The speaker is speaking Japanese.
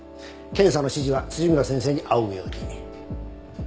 検査の指示は辻村先生に仰ぐように。